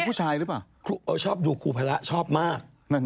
พ่อด่าผมเละเลยไม่เคยทะเลาะกับแม่เลย